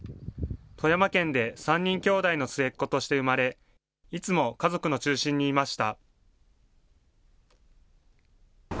富山県で３人きょうだいの末っ子として生まれ、いつも家族の中心にいました。